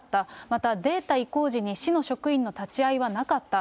またデータ移行時に市の職員の立ち会いはなかった。